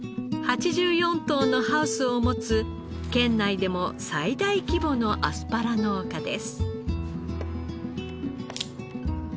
８４棟のハウスを持つ県内でも最大規模のアスパラ農家です。